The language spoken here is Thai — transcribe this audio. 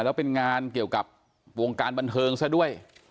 แล้วเป็นงานเกี่ยวกับวงการบันเทิงซะด้วย